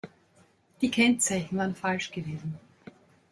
Die Kennzeichen waren falsch gewesen.